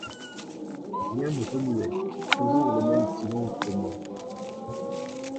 Rien ne remuait, toujours le même silence de mort.